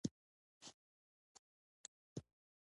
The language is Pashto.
انا د تلپاتې مینې نوم دی